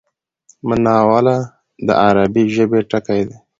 مناوله د عربي ژبی ټکی دﺉ.